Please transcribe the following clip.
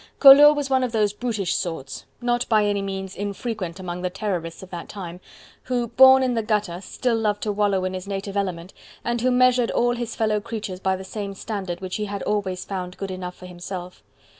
Collot was one of those brutish sots not by any means infrequent among the Terrorists of that time who, born in the gutter, still loved to wallow in his native element, and who measured all his fellow creatures by the same standard which he had always found good enough for himself.